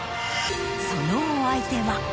そのお相手は。